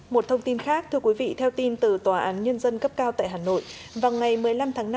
một thông tin khác thưa quý vị theo tin từ tòa án nhân dân cấp cao tại hà nội vào ngày một mươi năm tháng năm